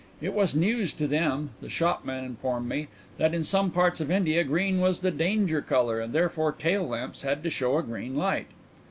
It was news to them, the shopman informed me, that in some parts of India green was the danger colour and therefore tail lamps had to show a green light.